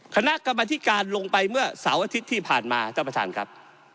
คณะกรรมธิการลงไปเมื่อเสาร์อาทิตย์ที่ผ่านมาท่านประธานครับ